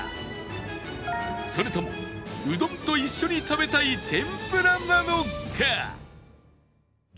それともうどんと一緒に食べたい天ぷらなのか？